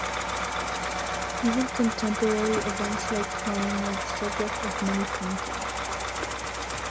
Even contemporary events like crime were the subject of many paintings.